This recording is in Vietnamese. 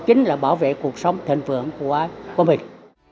chính là bảo vệ cuộc sống thành vượng của mình